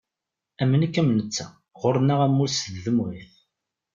Am nekk am netta ɣur-nneɣ ammur seg tdemɣit.